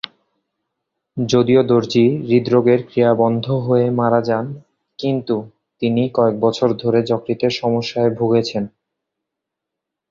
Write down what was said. যদিও দর্জি হৃদযন্ত্রের ক্রিয়া বন্ধ হয়ে মারা যান কিন্তু তিনি কয়েক বছর ধরে যকৃতের সমস্যায় ভুগছেন।